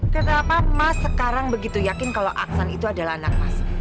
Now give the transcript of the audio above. kenapa mas sekarang begitu yakin kalau aksan itu adalah anak mas